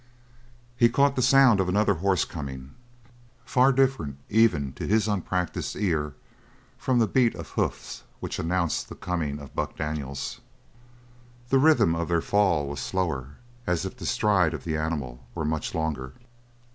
He caught the sound of another horse coming, far different even to his unpracticed ear from the beat of hoofs which announced the coming of Buck Daniels. The rhythm of their fall was slower, as if the stride of the animal were much longer.